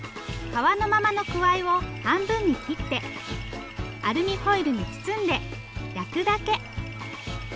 皮のままのくわいを半分に切ってアルミホイルに包んで焼くだけ。